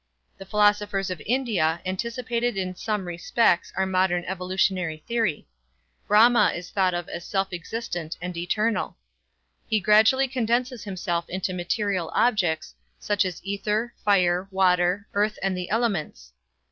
The philosophers of India anticipated in some respects our modern evolutionary theory. Brahma is thought of as self existent and eternal. He gradually condenses himself into material objects, such as ether, fire, water, earth and the elements.